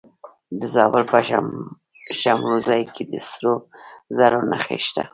د زابل په شمولزای کې د سرو زرو نښې شته.